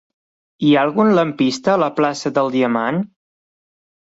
Hi ha algun lampista a la plaça del Diamant?